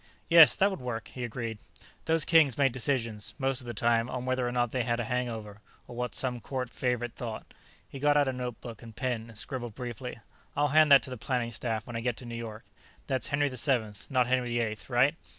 "Yes, that would work," he agreed. "Those kings made decisions, most of the time, on whether or not they had a hangover, or what some court favorite thought." He got out a notebook and pen and scribbled briefly. "I'll hand that to the planning staff when I get to New York. That's Henry the Seventh, not Henry the Eighth? Right.